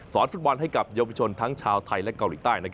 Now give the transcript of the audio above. ฟุตบอลให้กับเยาวชนทั้งชาวไทยและเกาหลีใต้